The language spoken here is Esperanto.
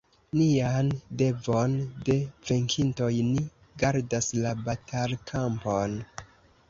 Nian devon de venkintoj: ni gardas la batalkampon!